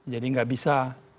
jadi gak bisa